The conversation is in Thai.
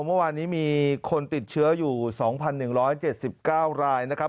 เมื่อวานนี้มีคนติดเชื้ออยู่๒๑๗๙รายนะครับ